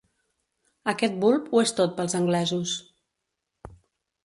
Aquest bulb ho és tot pels anglesos.